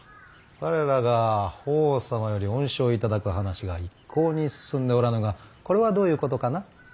我らが法皇様より恩賞を頂く話が一向に進んでおらぬがこれはどういうことかな。